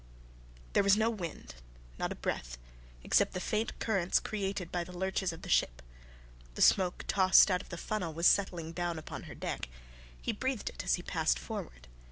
There was no wind, not a breath, except the faint currents created by the lurches of the ship. The smoke tossed out of the funnel was settling down upon her deck. He breathed it as he passed forward.